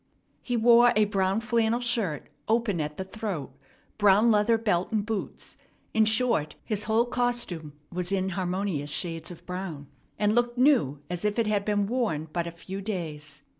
He wore a brown flannel shirt, open at the throat, brown leather belt and boots; in short, his whole costume was in harmonious shades of brown, and looked new as if it had been worn but a few days.